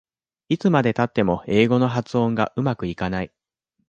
いつまでたっても英語の発音がうまくいかない